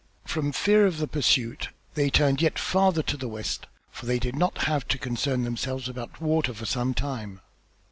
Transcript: From fear of the pursuit they turned yet farther to the west, for they did not have to concern themselves about water for some time.